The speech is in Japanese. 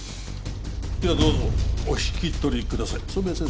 ではどうぞお引き取りください染谷先生